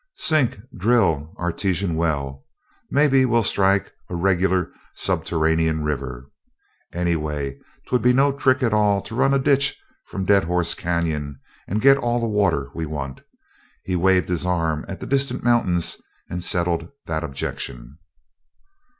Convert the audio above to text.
"Sink drill artesian well maybe we'll strike a regular subterranean river. Anyway, 'twould be no trick at all to run a ditch from Dead Horse Canyon and get all the water we want." He waved his arm at the distant mountains and settled that objection.